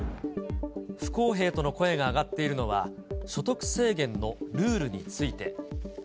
不公平との声が上がっているのは、所得制限のルールについて。